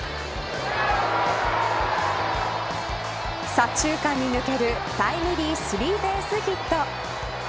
左中間に抜けるタイムリースリーベースヒット。